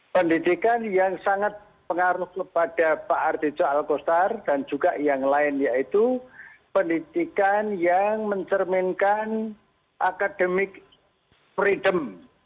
pendidikan yang sangat pengaruh kepada pak artijo alkostar dan juga yang lain yaitu pendidikan yang mencerminkan akademik freedom